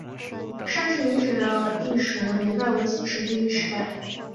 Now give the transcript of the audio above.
山城遗址的历史年代为新石器时代。